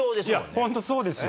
本当そうですよ！